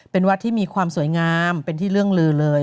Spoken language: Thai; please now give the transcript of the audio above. เป็นวัดที่มีความสวยงามเป็นที่เรื่องลือเลย